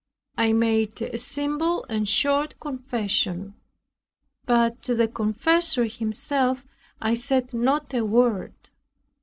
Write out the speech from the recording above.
I made a simple and short confession; but to the confessor himself I said not a word.